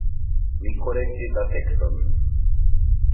Mi korektis la tekston.